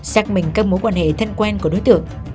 xác minh các mối quan hệ thân quen của đối tượng